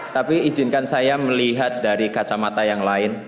tapi izinkan saya melihat dari kacamata yang lain